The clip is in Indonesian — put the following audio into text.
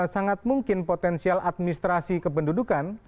sangat mungkin potensial administrasi kependudukan